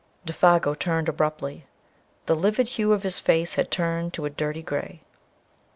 Défago turned abruptly; the livid hue of his face had turned to a dirty grey.